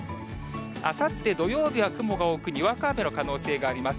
あさって土曜日は雲が多く、にわか雨の可能性があります。